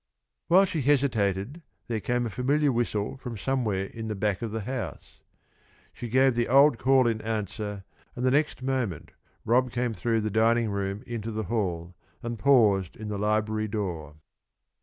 While she hesitated there came a familiar whistle from somewhere in the back of the house. She gave the old call in answer, and the next moment Rob came through the dining room into the hall, and paused in the library door.